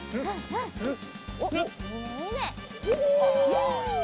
よし。